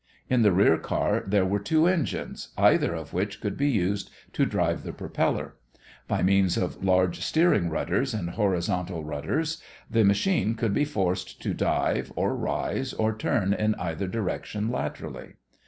In the rear car there were two engines, either of which could be used to drive the propeller. By means of large steering rudders and horizontal rudders, the machine could be forced to dive or rise or turn in either direction laterally.